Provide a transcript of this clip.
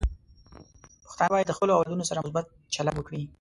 پښتانه بايد د خپلو اولادونو سره مثبت چلند وکړي.